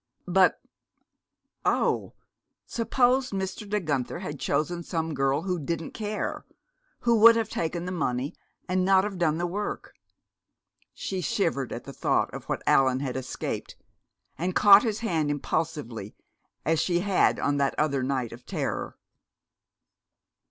But, oh! suppose Mr. De Guenther had chosen some girl who didn't care, who would have taken the money and not have done the work! She shivered at the thought of what Allan had escaped, and caught his hand impulsively, as she had on that other night of terror.